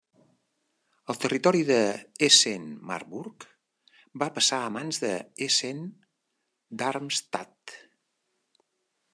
El territori de Hessen-Marburg va passar a mans de Hessen-Darmstadt.